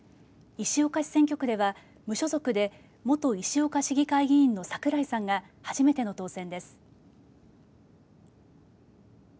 石岡市選挙区では無所属で、元石岡市議会議員の桜井さんが初めての当選です。